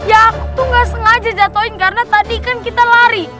ya aku nggak sengaja jatuhin karena tadi kan kita lari